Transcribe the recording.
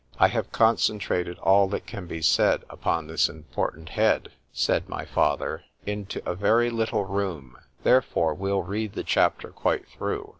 I have concentrated all that can be said upon this important head, said my father, into a very little room, therefore we'll read the chapter quite through.